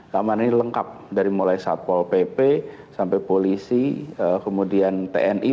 keamanan ini lengkap dari mulai satpol pp sampai polisi kemudian tni